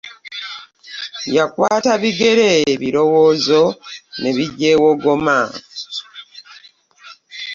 Yakwata bigere, birowoozo ne bigyewogoma.